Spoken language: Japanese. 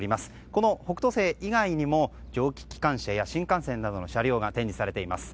この「北斗星」以外にも蒸気機関車や新幹線などの車両が展示されています。